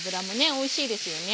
おいしいですよね。